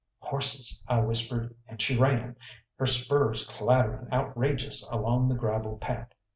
"Horses!" I whispered, and she ran, her spurs clattering outrageous along the gravel path.